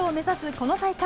この大会。